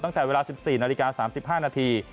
ตั้งแต่เวลา๑๔นาฬิกา๓๕นาที